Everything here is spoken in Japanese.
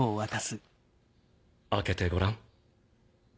開けてごらん。